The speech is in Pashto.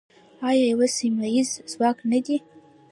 آیا یو سیمه ییز ځواک نه دی؟